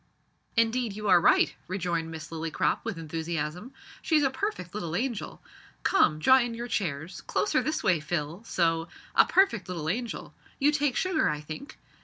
"Indeed you are right," rejoined Miss Lillycrop with enthusiasm; "she's a perfect little angel come, draw in your chairs; closer this way, Phil, so a perfect little angel you take sugar I think?